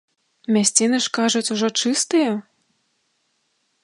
Мясціны ж, кажуць, ужо чыстыя?